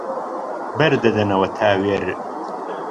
بەر دەدەنەوە تاوێر